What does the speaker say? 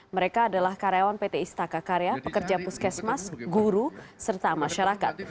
mereka adalah karyawan pt istaka karya pekerja puskesmas guru serta masyarakat